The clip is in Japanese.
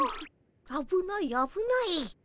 あぶないあぶない。